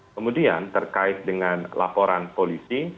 kemudian terkait dengan laporan polisi